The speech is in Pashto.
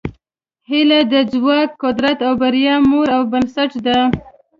هیله د ځواک، قدرت او بریا مور او بنسټ ده.